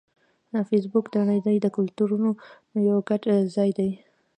فېسبوک د نړۍ د کلتورونو یو ګډ ځای دی